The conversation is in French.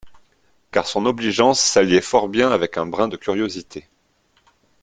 Car son obligeance s'alliait fort bien avec un brin de curiosité.